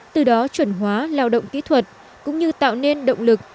từ đó chuẩn hóa lao động kỹ thuật cũng như tạo nên động lực